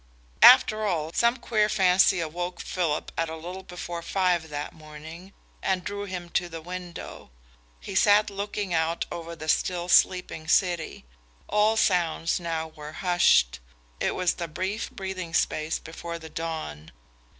After all, some queer fancy awoke Philip at a little before five that morning and drew him to the window. He sat looking out over the still sleeping city. All sound now was hushed. It was the brief breathing space before the dawn.